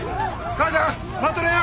母ちゃん待っとれよ！